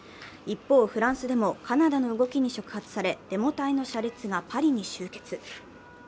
一方、フランスでもカナダの動きに触発されデモ隊の車列がパリに集結。